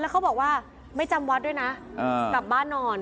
เขาบอกว่าไม่จำวัดด้วยนะกลับบ้านนอน